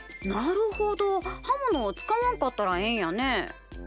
なるほど！はものを使わんかったらええんやね。